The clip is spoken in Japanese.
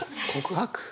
告白。